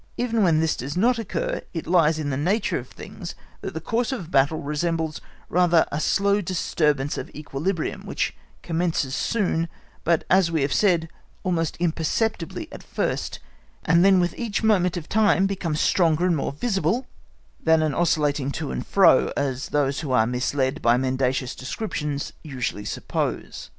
Even when this does not occur it lies in the nature of things that the course of a battle resembles rather a slow disturbance of equilibrium which commences soon, but as we have said almost imperceptibly at first, and then with each moment of time becomes stronger and more visible, than an oscillating to and fro, as those who are misled by mendacious descriptions usually suppose.